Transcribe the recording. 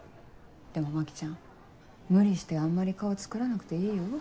でも牧ちゃん無理してあんまり顔作らなくていいよ。